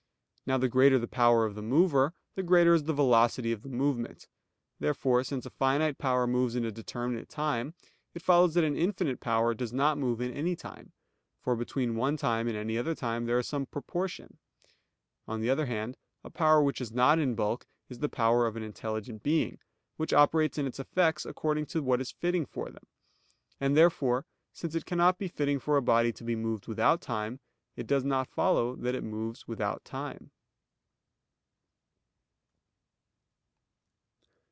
Now the greater the power of the mover, the greater is the velocity of the movement. Therefore, since a finite power moves in a determinate time, it follows that an infinite power does not move in any time; for between one time and any other time there is some proportion. On the other hand, a power which is not in bulk is the power of an intelligent being, which operates in its effects according to what is fitting to them; and therefore, since it cannot be fitting for a body to be moved without time, it does not follow that it moves without time.